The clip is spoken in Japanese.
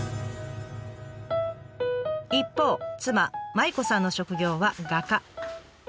一方妻麻衣子さんの職業は画家。